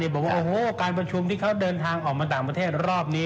บอกว่าโอ้โหการประชุมที่เขาเดินทางออกมาต่างประเทศรอบนี้